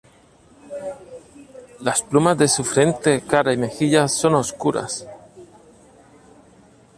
Las plumas de su frente, cara y mejillas son oscuras.